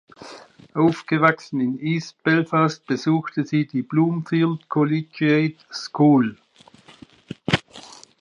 Aufgewachsen in East Belfast besuchte sie die Bloomfield Collegiate School.